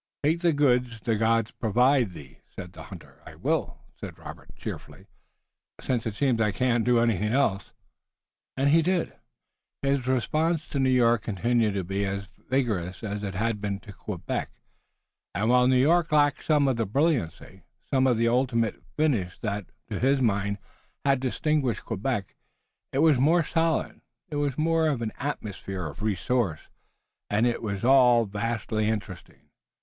"Take the goods the gods provide thee," said the hunter. "I will," said Robert, cheerfully, "since it seems I can't do anything else." And he did. His response to New York continued to be as vigorous as it had been to Quebec, and while New York lacked some of the brilliancy, some of the ultimate finish that, to his mind, had distinguished Quebec, it was more solid, there was more of an atmosphere of resource, and it was all vastly interesting.